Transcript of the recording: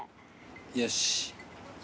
よし。